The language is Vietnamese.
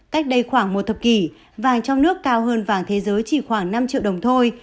cách đây khoảng một thập kỷ vàng trong nước cao hơn vàng thế giới chỉ khoảng năm triệu đồng thôi